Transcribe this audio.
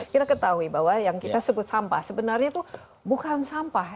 kita ketahui bahwa yang kita sebut sampah sebenarnya itu bukan sampah